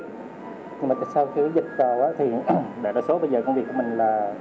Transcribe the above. nhưng mà sau khi dịch rồi thì đại đa số bây giờ công việc của mình là